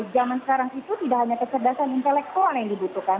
zaman sekarang itu tidak hanya kecerdasan intelektual yang dibutuhkan